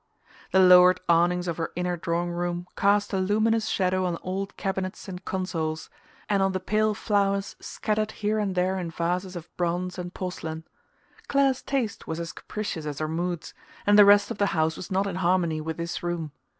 The lowered awnings of her inner drawing room cast a luminous shadow on old cabinets and consoles, and on the pale flowers scattered here and there in vases of bronze and porcelain. Clare's taste was as capricious as her moods, and the rest of the house was not in harmony with this room.